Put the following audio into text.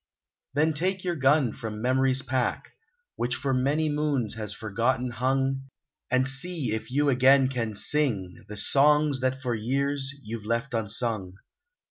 Then take your gun from memory's rack Which for many moons has forgotten hung And see if you again can sing, The songs that for years, you've left unsung.